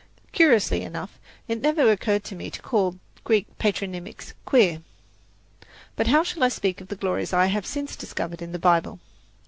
Curiously enough, it never occurred to me to call Greek patronymics "queer." But how shall I speak of the glories I have since discovered in the Bible?